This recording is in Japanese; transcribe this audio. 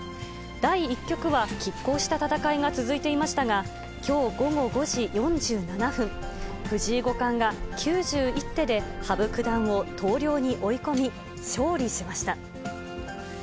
第１局はきっ抗した戦いが続いていましたが、きょう午後５時４７分、藤井五冠が９１手で羽生九段を投了に追い込み、勝利しました。